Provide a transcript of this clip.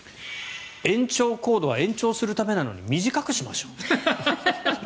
延長コードは延長するためなのに短くしましょう。